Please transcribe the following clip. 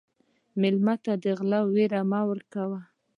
مېلمه ته د غلا وېره مه ورکوه.